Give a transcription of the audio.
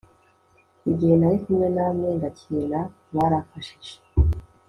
igihe nari kumwe namwe ngakena mwaramfashije